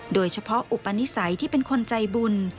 โดยเฉพาะอุปนิสัยที่เป็นคนใจบุญ